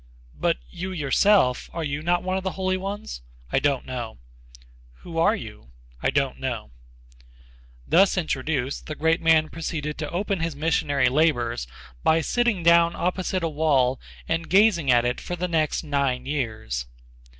"But you, yourself, are you not one of the holy ones?" "I don't know." "Who are you?" "I don't know." Thus introduced, the great man proceeded to open his missionary labors by sitting down opposite a wall arid gazing at it for the next nine years.